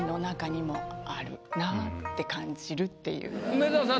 梅沢さん